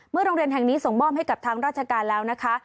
โรงเรียนแห่งนี้ส่งมอบให้กับทางราชการแล้วนะคะ